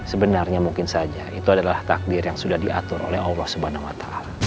sebenarnya mungkin saja itu adalah takdir yang sudah diatur oleh allah swt